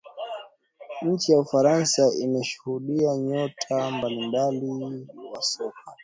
Nchi ya ufaransa imeshuhudia nyota mbalimbali wa soka